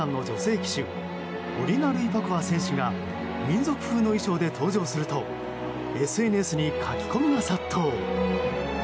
旗手オリガ・ルイパコワ選手が民族風の衣装で登場するとＳＮＳに書き込みが殺到。